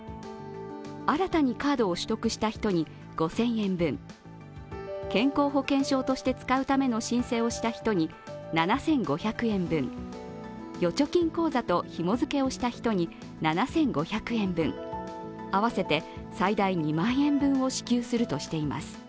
新たにカードを取得した人に５０００円分健康保険証として使うための申請をした人に７５００円分、預貯金口座とひもづけをした人に７５００円分、合わせて最大２万円分を支給するとしています。